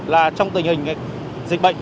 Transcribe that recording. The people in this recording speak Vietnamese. là trong tình hình dịch bệnh